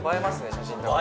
写真とか